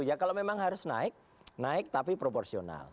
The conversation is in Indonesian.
ya kalau memang harus naik naik tapi proporsional